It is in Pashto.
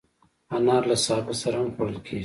انار له سابه سره هم خوړل کېږي.